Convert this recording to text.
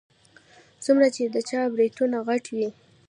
څومره چې د چا برېتونه غټ وي.